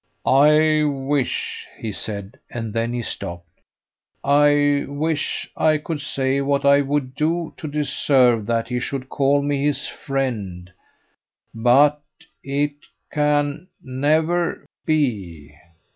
"I wish," he said, and then he stopped; "I wish I could say what I would do to deserve that he should call me his friend; but it can never be."